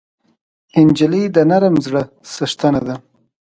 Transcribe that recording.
نجلۍ د نرم زړه څښتنه ده.